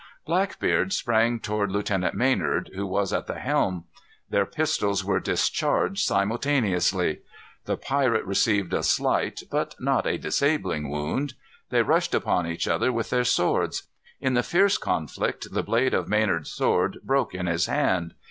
Blackbeard sprang toward Lieutenant Maynard, who was at the helm. Their pistols were discharged simultaneously. The pirate received a slight, but not a disabling wound. They rushed upon each other with their swords. In the fierce conflict the blade of Maynard's sword broke in his hand.